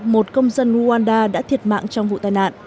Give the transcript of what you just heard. một công dân rwanda đã thiệt mạng trong vụ tai nạn